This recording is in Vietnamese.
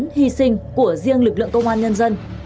cũng là sự hi sinh của riêng lực lượng công an nhân dân